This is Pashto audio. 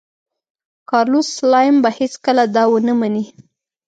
کارلوس سلایم به هېڅکله دا ونه مني.